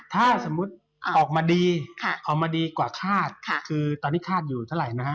ถ้าสมมุติออกมาดีออกมาดีกว่าคาดคือตอนนี้คาดอยู่เท่าไหร่นะฮะ